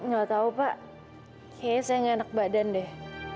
gak tau pak kayaknya saya nganak badan deh